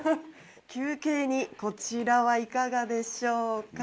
休憩にこちらはいかがでしょうか。